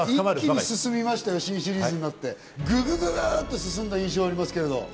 一気に進みましたよ、新シリーズになってググググっと進んだ印象がありますけど。